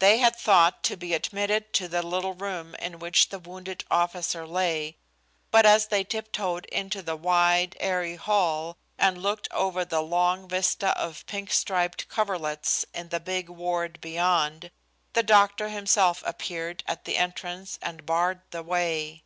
They had thought to be admitted to the little room in which the wounded officer lay, but as they tiptoed into the wide, airy hall and looked over the long vista of pink striped coverlets in the big ward beyond, the doctor himself appeared at the entrance and barred the way.